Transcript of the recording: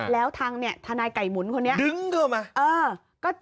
แล้วทางทนายไก่หมุนคนนี้ดึงเข้ามา